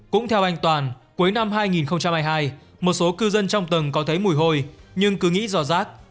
cũng theo anh toàn cuối năm hai nghìn hai mươi hai một số cư dân trong tầng có thấy mùi hôi nhưng cứ nghĩ do rác